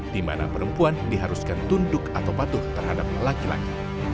di mana perempuan diharuskan tunduk atau patuh terhadap laki laki